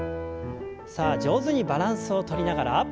さあ上手にバランスをとりながら。